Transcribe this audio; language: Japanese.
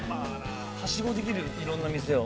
◆はしごできる、いろんな店を。